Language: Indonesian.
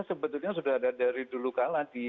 sebetulnya sudah ada dari dulu kalah